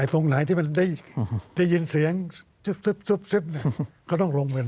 ไอ้ตรงไหนที่มันได้ยินเสียงซึ๊บเขาต้องลงไป